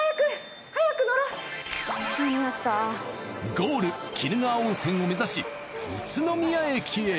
ゴール鬼怒川温泉を目指し宇都宮駅へ。